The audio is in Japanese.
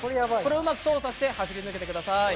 うまく操作して走り抜けてください。